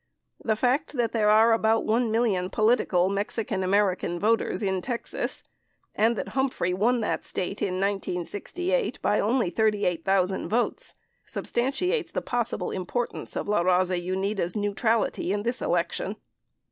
The fact that there are about 1 million political Mexican American voters in Texas and that Humphrey won that state in 1968 by only 38,000 votes, substantiate the pos sible importance of La Raza Unida neutrality in this election.